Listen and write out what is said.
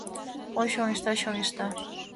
Ой, чоҥешта, чоҥешта.